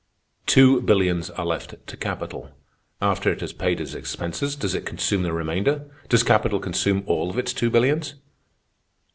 "Two billions are left to capital. After it has paid its expenses, does it consume the remainder? Does capital consume all of its two billions?"